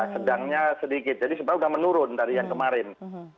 sedangnya sedikit jadi sebenarnya sudah menurun dari yang kemarin